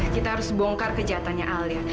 kita harus bongkar kejahatannya alia